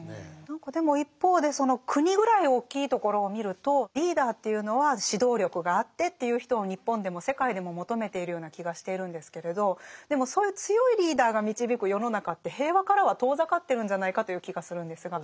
何かでも一方でその国ぐらい大きいところを見るとリーダーというのは指導力があってっていう人を日本でも世界でも求めているような気がしているんですけれどでもそういう強いリーダーが導く世の中って平和からは遠ざかってるんじゃないかという気がするんですが。